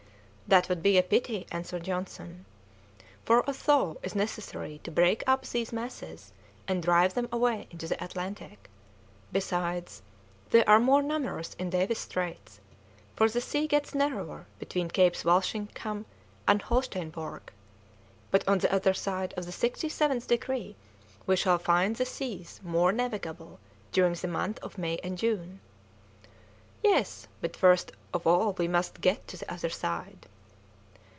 "That would be a pity," answered Johnson, "for a thaw is necessary to break up these masses and drive them away into the Atlantic; besides, they are more numerous in Davis's Straits, for the sea gets narrower between Capes Walsingham and Holsteinborg; but on the other side of the 67th degree we shall find the seas more navigable during the months of May and June." "Yes; but first of all we must get to the other side."